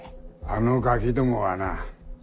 あのガキどもはな